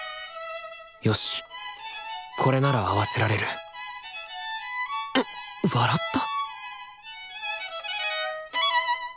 よしこれなら合わせられる笑った？